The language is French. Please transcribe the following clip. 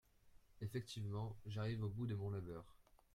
Effectivement, j’arrive au bout de mon labeur.